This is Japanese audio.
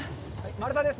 丸太です。